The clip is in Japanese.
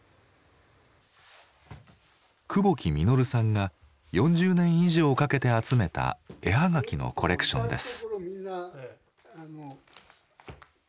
久保木実さんが４０年以上かけて集めた絵はがきのコレクションです。